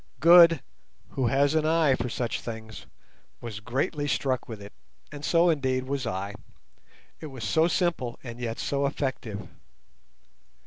Good (who has an eye for such things) was greatly struck with it, and so indeed was I. It was so simple and yet so effective.